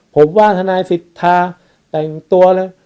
ผมว่าทนายสิทธาแต่งตัวเลย